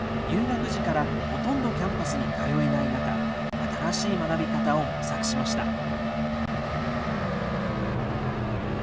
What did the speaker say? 入学時からほとんどキャンパスに通えない中新しい学び方を模索しました。